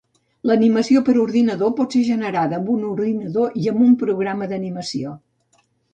L'animació per ordinador pot ser generada amb un ordinador i amb un programa d'animació.